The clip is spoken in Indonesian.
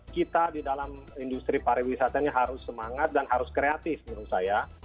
kita di dalam industri pariwisata ini harus semangat dan harus kreatif menurut saya